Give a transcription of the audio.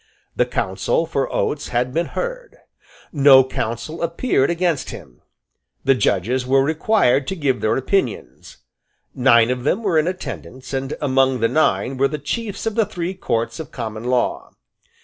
The counsel for Oates had been heard. No counsel appeared against him. The judges were required to give their opinions. Nine of them were in attendance; and among the nine were the Chiefs of the three Courts of Common Law.